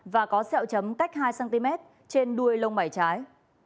và có xeo chấm cách hai cm trên đuôi lông mảy trái